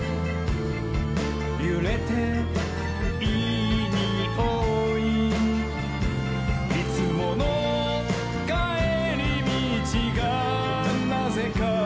「ゆれていいにおい」「いつものかえりみちがなぜか」